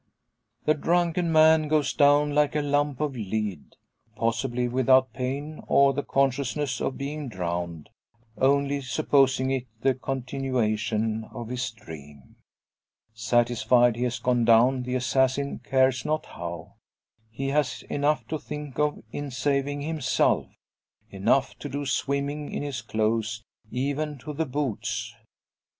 The drunken man goes down like a lump of lead; possibly without pain, or the consciousness of being drowned; only supposing it the continuation of his dream! Satisfied he has gone down, the assassin cares not how. He has enough to think of in saving himself, enough to do swimming in his clothes, even to the boots.